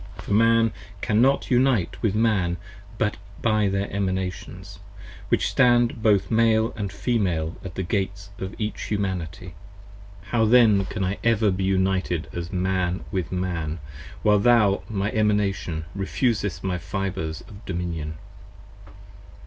10 For Man cannot unite with Man but by their Emanations, Which stand both Male & Female at the Gates of each Humanity. How then can I ever again be united as Man with Man While thou, my Emanation, refusest my Fibres of dominion?